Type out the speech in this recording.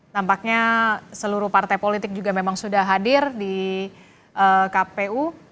nampaknya seluruh partai politik juga memang sudah hadir di kpu